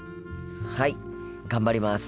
はい頑張ります。